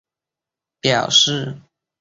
表示上榜中粗体表示冠军歌